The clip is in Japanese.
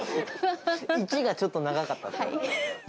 １がちょっと長かった。